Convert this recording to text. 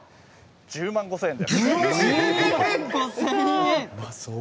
１０万５０００円。